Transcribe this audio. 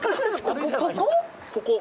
ここ！？